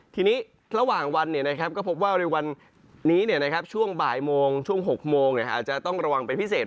ทีนี้ระหว่างวันก็พบว่าในวันนี้ช่วงบ่ายโมงช่วง๖โมงอาจจะต้องระวังเป็นพิเศษ